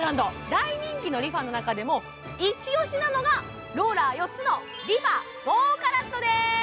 大人気のＲｅＦａの中でもイチ押しなのがローラー４つのＲｅＦａ４ＣＡＲＡＴです。